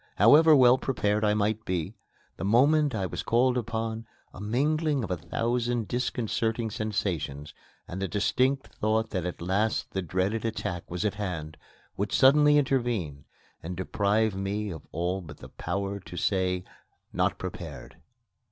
However well prepared I might be, the moment I was called upon, a mingling of a thousand disconcerting sensations, and the distinct thought that at last the dread attack was at hand, would suddenly intervene and deprive me of all but the power to say, "Not prepared."